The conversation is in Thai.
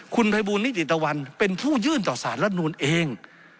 คุณภัยบูลนิติตะวันเป็นผู้ยื่นต่อสารรัฐนูลเอง